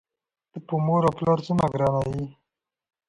ته په مور و پلار څومره ګران یې؟!